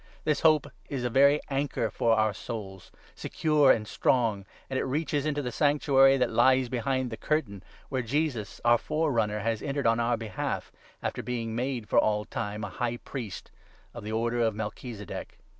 This hope is a very anchor 19 for our souls, secure and strong, and it ' reaches into the Sanctuary that lies behind the Curtain,' where Jesus, our Fore 20 runner, has entered on our behalf, after being made for all time a High Priest of the order of Melchizedek.